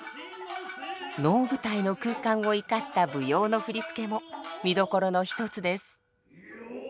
能舞台の空間を生かした舞踊の振付も見どころの一つです。